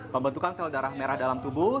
pembentukan sel darah merah dalam tubuh